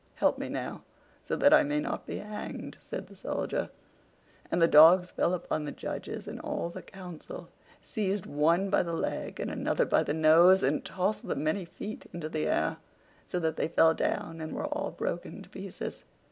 "Help me now, so that I may not be hanged," said the Soldier. And the dogs fell upon the judges and all the council, seized one by the leg and another by the nose, and tossed them many feet into the air, so that they fell down and were all broken to pieces.